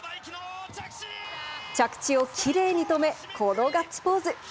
着地をキレイにとめ、このガッツポーズ。